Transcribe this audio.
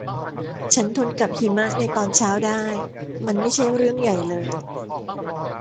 ฉันทนกับหิมะในตอนเช้าได้ มันไม่ใช่เรื่องใหญ่เลย